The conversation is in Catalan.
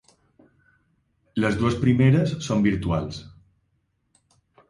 Les dues primeres són virtuals.